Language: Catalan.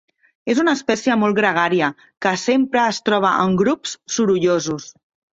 És una espècie molt gregària que sempre es troba en grups sorollosos.